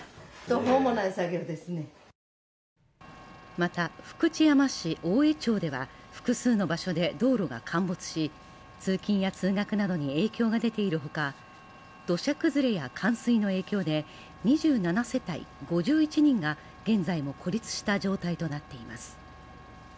また福知山市大江町では複数の場所で道路が陥没し通勤や通学などに影響が出ているほか土砂崩れや冠水の影響で２７世帯５１人が現在も孤立した状態となっています